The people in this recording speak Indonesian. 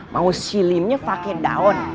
mau silimnya pakai daun